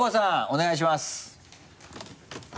お願いします。